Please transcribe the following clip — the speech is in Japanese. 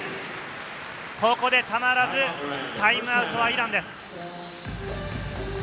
ここでたまらずタイムアウトはイランです。